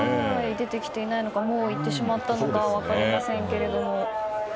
出てきていないのかもう行ってしまったのか分かりませんけど。